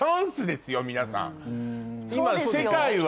皆さん。